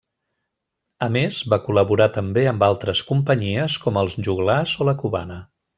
A més, va col·laborar també amb altres companyies com Els Joglars o La Cubana.